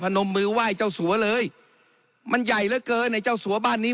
นมมือไหว้เจ้าสัวเลยมันใหญ่เหลือเกินไอ้เจ้าสัวบ้านนี้